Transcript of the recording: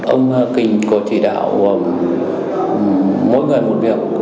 ông kinh có chỉ đạo mỗi người một việc